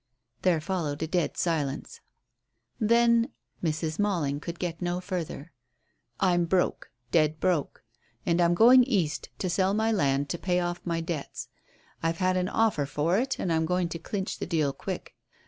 There followed a dead silence. "Then " Mrs. Malling could get no further. "I'm broke dead broke. And I'm going East to sell my land to pay off my debts. I've had an offer for it, and I'm going to clinch the deal quick.